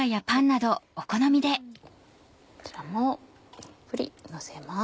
こちらもたっぷりのせます。